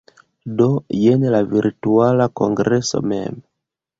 Do jen la Virtuala Kongreso mem.